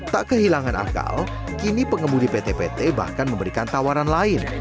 tak kehilangan akal kini pengemudi pt pt bahkan memberikan tawaran lain